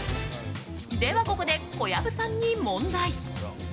では、ここで小籔さんに問題。